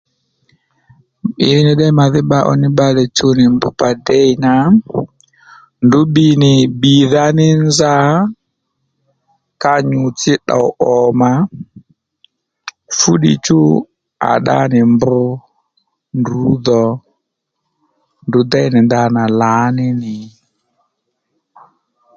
Ddì nì ddiy màdhí bba ó bbalè chuw nì mb pà dey nà ndrǔ bbíy nì bbìdha ní nza ka nyù-tsi tdòw òmà fúddiy chú à ddá nì mb ndrǔ dhò ndrǔ déy nì ndanà lǎní nì